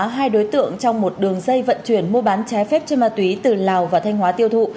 hai đối tượng trong một đường dây vận chuyển mua bán trái phép trên ma túy từ lào và thanh hóa tiêu thụ